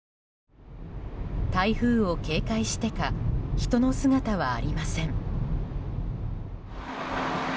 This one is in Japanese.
台風を警戒してか人の姿はありません。